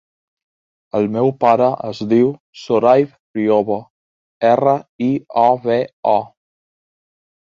El meu pare es diu Sohaib Riobo: erra, i, o, be, o.